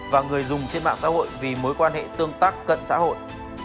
và người dùng trên mạng xã hội vì mối quan hệ tương tác cận xã hội